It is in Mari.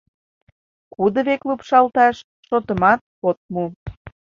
Кудо век лупшалташ — шотымат от му.